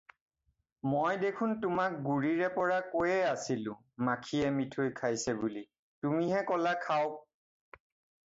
"মই দেখোন তোমাক গুৰিৰেপৰা কৈয়েই আছিলোঁ মাখিয়ে মিঠৈ খাইছে বুলি, তুমিহে ক’লা খাওঁক।"